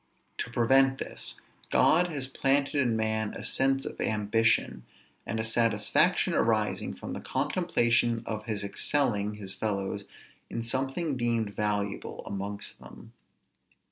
To prevent this, God has planted in man a sense of ambition, and a satisfaction arising from the contemplation of his excelling his fellows in something deemed valuable amongst them.